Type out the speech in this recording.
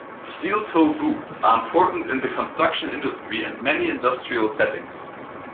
Steel-toe boots are important in the construction industry and in many industrial settings.